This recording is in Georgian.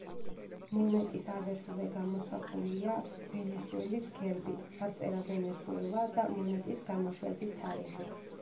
მონეტის ავერსზე გამოსახულია ვენესუელის გერბი, წარწერა ვენესუელა და მონეტის გამოშვების თარიღი.